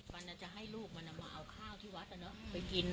มันน่ะจะให้ลูกมันน่ะมาเอาข้าวที่วัดน่ะไปกิน